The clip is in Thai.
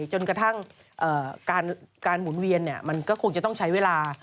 จนกระทั่งการหมุนเวียนมันก็คงจะต้องใช้เวลา